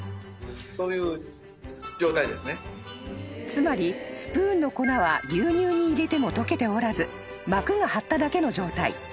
［つまりスプーンの粉は牛乳に入れても溶けておらず膜がはっただけの状態］